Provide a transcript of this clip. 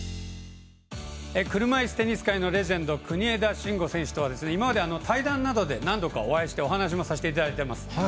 車いすテニス界のレジェンド国枝慎吾選手とは、今まで対談などで何度かお会いしてお話をさせていただいております。